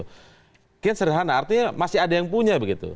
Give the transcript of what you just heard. mungkin sederhana artinya masih ada yang punya begitu